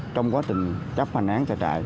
trong quá trình chấp hành án tại trại